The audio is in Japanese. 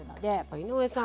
井上さん